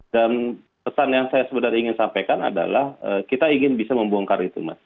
dan pesan yang saya sebenarnya ingin sampaikan adalah kita ingin bisa membongkar itu mas